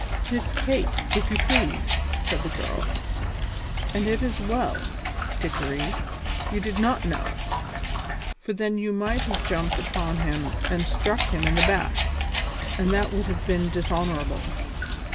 "Miss Kate, if you please," said the girl. "And it is well, Dickory, you did not know, for then you might have jumped upon him and stuck him in the back, and that would have been dishonourable."